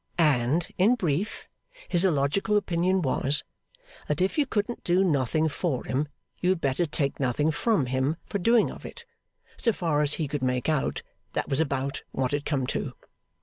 And, in brief, his illogical opinion was, that if you couldn't do nothing for him, you had better take nothing from him for doing of it; so far as he could make out, that was about what it come to.